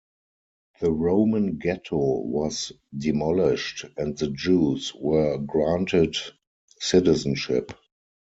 The Roman Ghetto was demolished and the Jews were granted citizenship.